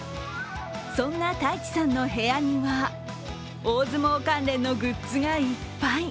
そんな太智さんの部屋には大相撲関連のグッズがいっぱい。